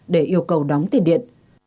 để yêu cầu đóng tiền điện